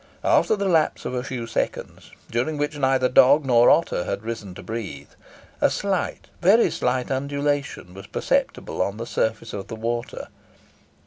After the lapse of a few seconds, during which neither dog nor otter had risen to breathe, a slight, very slight, undulation was perceptible on the surface of the water.